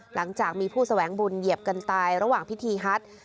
หลังจากมีผู้แสวงบุญเหยียบกันตายระหว่างพิธีฮัท